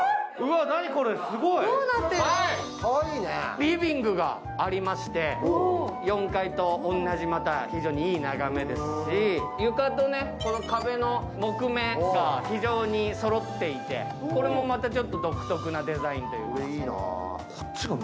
リビングがありまして、４階と同じ、非常にいい眺めですし、床と壁の木目が非常にそろっていて、これもまた独特なデザインというか。